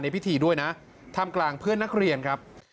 พิธีด้วยนะทำกลางเพื่อนนักเรียนครับ